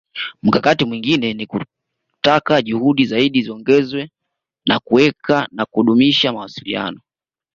Mkakati mwingine ni kutaka juhudi zaidi ziongezwe za kuweka na kudumisha mawasiliano